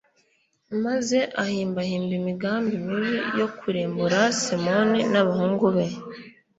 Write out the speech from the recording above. maze ahimbahimba imigambi mibi yo kurimbura simoni n'abahungu be